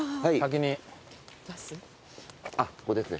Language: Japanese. あっここですね。